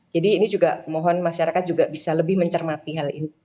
jadi ini juga mohon masyarakat juga bisa lebih mencermati hal itu